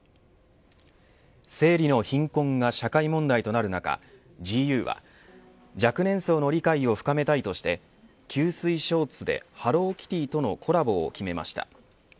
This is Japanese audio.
生理の貧困が社会問題となる中ＧＵは若年層の理解を深めたいとして吸水ショーツでハローキティとのコラボを決めました。